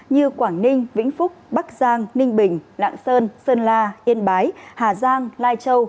như quảng ninh vĩnh phúc bắc giang ninh bình lạng sơn sơn la yên bái hà giang lai châu